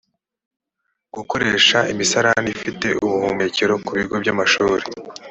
gukoresha imisarani ifite ubuhumekero ku bigo by’amashuri